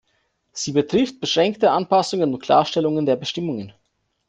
Sie betrifft beschränkte Anpassungen und Klarstellungen der Bestimmungen.